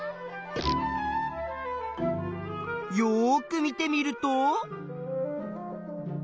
よく見てみると。